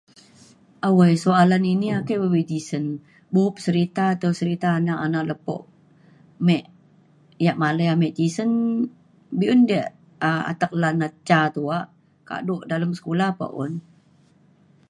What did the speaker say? awai soalan ini ake pa be tisen. bup serita te atau serita anak anak lepo me ia’ malai ame tisen be’un diak um atek lan na ca tuak kado dalem sekula pa un.